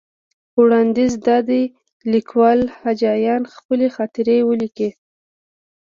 وړاندیز دا دی لیکوال حاجیان خپلې خاطرې ولیکي.